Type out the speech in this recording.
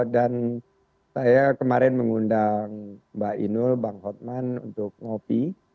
dan saya kemarin mengundang mbak inul bang hotman untuk ngopi